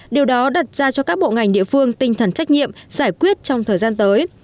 điều đó đặt ra cho các bộ ngành địa phương tinh thần trách nhiệm giải quyết trong thời gian tới